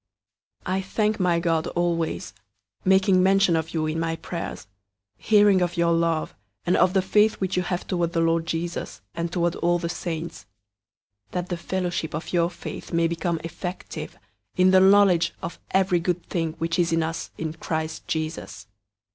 001:004 I thank my God always, making mention of you in my prayers, 001:005 hearing of your love, and of the faith which you have toward the Lord Jesus, and toward all the saints; 001:006 that the fellowship of your faith may become effective, in the knowledge of every good thing which is in us in Christ Jesus.